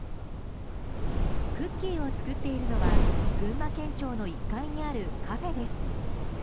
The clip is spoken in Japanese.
クッキーを作っているのは群馬県庁の１階にあるカフェです。